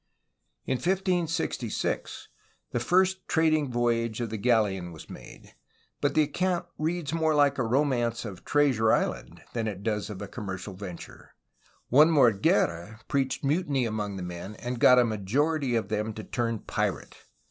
In 1566 the first trading voyage of the galleon was made, but the account reads more like a romance of Treasure island than it does of a commercial venture. One Morguera preached mutiny among the men, and got a majority of them to turn pirate.